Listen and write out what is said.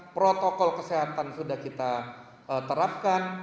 protokol kesehatan sudah kita terapkan